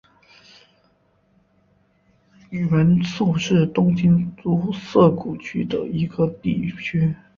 原宿是东京都涩谷区的一个地区。